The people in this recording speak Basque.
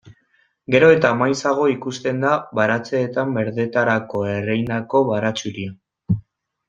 Gero eta maizago ikusten da baratzeetan berdetarako ereindako baratxuria.